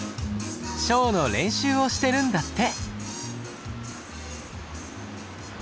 ショーの練習をしてるんだって。